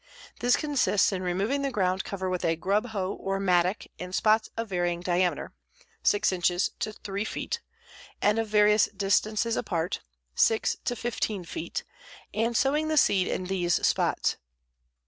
This consists in removing the ground cover with a grub hoe or mattock in spots of varying diameter (6 inches to 3 feet) and of various distances apart (6 to 15 feet), and sowing the seed in these spots.